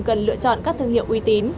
cần lựa chọn các thương hiệu uy tín